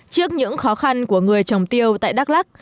trước những khó khăn của người trồng tiêu tại đắk lắc